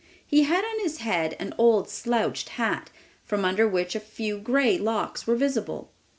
He had on his head an old slouched hat, from under which a few gray locks were visible.